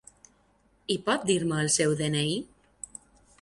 I pot dir-me el seu de-ena-i?